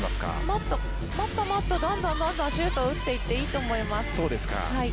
もっともっと、どんどんシュートを打っていっていいと思います。